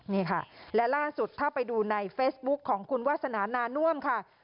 นี่ค่ะและล่าสุดถ้าไปดูในเฟซบุ๊คของคุณวาสนานาน่วมค่ะ